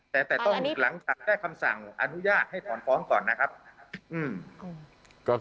แต่แต่ต้องหลังจากได้คำสั่งอนุญาตให้ถอนฟ้องก่อนนะครับ